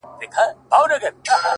هغه ښايسته بنگړى په وينو ســـور دى،